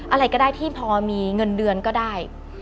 อะไรก็ได้ที่พอมีเงินเดือนก็ได้